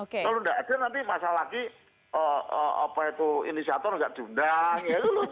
kalau nggak ada nanti masalah lagi apa itu inisiator nggak diundang ya itu loh